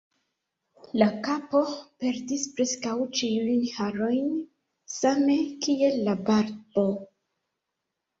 La kapo perdis preskaŭ ĉiujn harojn, same kiel la barbo.